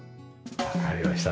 わかりました。